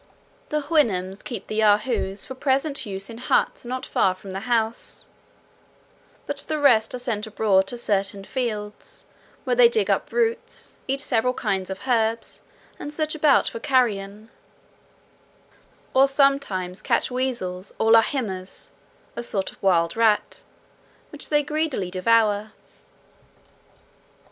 The Houyhnhnms keep the Yahoos for present use in huts not far from the house; but the rest are sent abroad to certain fields, where they dig up roots, eat several kinds of herbs, and search about for carrion, or sometimes catch weasels and luhimuhs (a sort of wild rat), which they greedily devour.